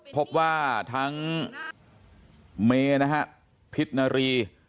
เพราะว่าทั้งเมนี่นะฮะพิษณรี